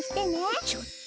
ちょっと。